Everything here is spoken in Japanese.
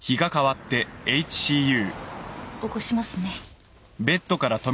起こしますね。